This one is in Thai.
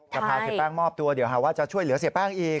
จะพาเสียแป้งมอบตัวเดี๋ยวหาว่าจะช่วยเหลือเสียแป้งอีก